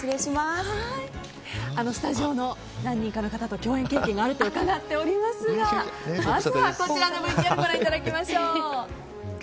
スタジオの何人かの方と共演経験があると伺っておりますがまずは、こちらのＶＴＲご覧いただきましょう。